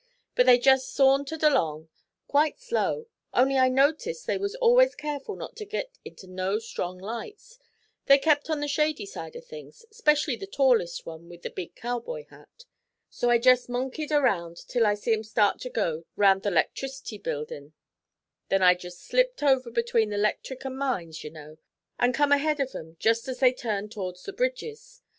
But they jest sa auntered along, quite slow, only I noticed they was always careful not to git into no strong lights; they kept on the shady side of things, 'specially the tallest one with the big cow boy hat. So I jest monkeyed round till I see 'em start to go round the 'Lectricity B'ildin'. Then I jest slipped over between the 'Lectric an' Mines, ye know, and come ahead of 'em jest as they turned to'rds the bridges.